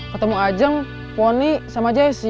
ketemu ajeng foto fony atau jesi